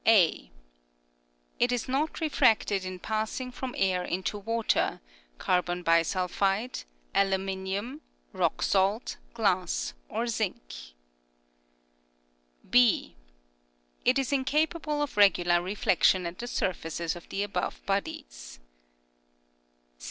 (a) It is not refracted in passing from air into water, carbon bisulphide, alumin ium, rock salt, glass or zinc. (6) It is incapable of regular reflection at the surfaces of the above bodies.